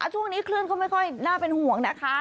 ช่วงนี้คลื่นก็ไม่ค่อยน่าเป็นห่วงนะคะ